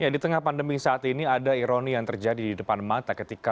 di tengah pandemi saat ini ada ironi yang terjadi di depan mata ketika